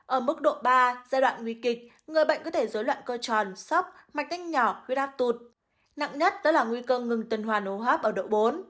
ở mức độ ba giai đoạn nguy kịch người bệnh có thể dối loạn cơ tròn sóc mạch tinh nhỏ huyết áp tụt nặng nhất đó là nguy cơ ngừng tuần hoàn hô hấp ở độ bốn